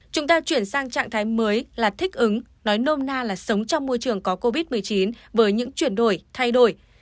chúng ta chuyển sang trạng thái mới là thích ứng nói nôm na là sống trong môi trường có covid một mươi chín với những chuyển đổi thay đổi